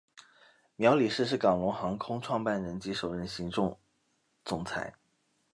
苗礼士是港龙航空创办人及首任行政总裁。